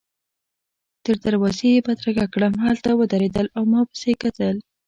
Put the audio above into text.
تر دروازې يې بدرګه کړم، هلته ودرېدل او ما پسي کتل.